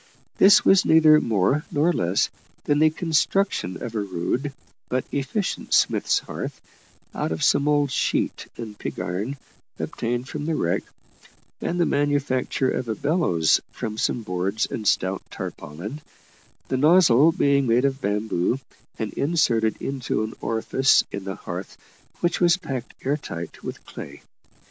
This was neither more nor less than the construction of a rude but efficient smith's hearth out of some old sheet and pig iron obtained from the wreck, and the manufacture of a bellows from some boards and stout tarpaulin, the nozzle being made of bamboo, and inserted into an orifice in the hearth which was packed air tight with clay.